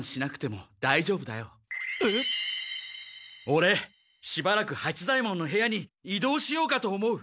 オレしばらく八左ヱ門の部屋に移動しようかと思う。